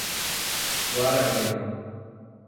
Guararema